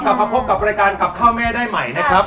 กลับมาพบกับรายการกับข้าวแม่ได้ใหม่นะครับ